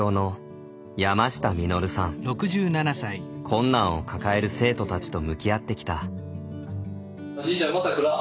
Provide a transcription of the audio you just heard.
困難を抱える生徒たちと向き合ってきた。